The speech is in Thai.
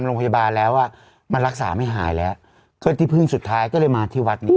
โรงพยาบาลแล้วอ่ะมันรักษาไม่หายแล้วก็ที่พึ่งสุดท้ายก็เลยมาที่วัดนี้